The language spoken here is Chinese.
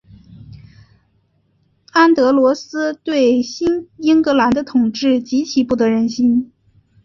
安德罗斯对新英格兰的统治极其不得人心。